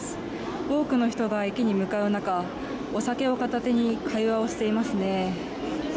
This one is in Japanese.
多くの人が駅に向かう中お酒を片手に会話をしていますね。